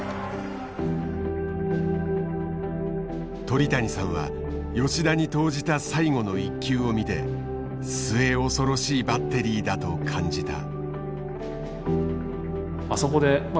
鳥谷さんは吉田に投じた最後の一球を見て末恐ろしいバッテリーだと感じた。